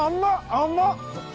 甘っ！